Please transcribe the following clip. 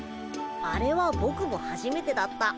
あれはボクもはじめてだった。